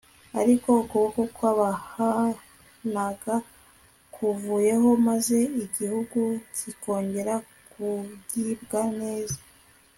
ariko ukuboko kwabahanaga kuvuyeho maze igihugu kikongera kugibwa neza